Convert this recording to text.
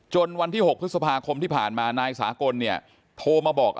วันที่๖พฤษภาคมที่ผ่านมานายสากลเนี่ยโทรมาบอก